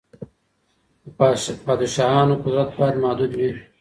د پادشاهانو قدرت بايد محدود وي.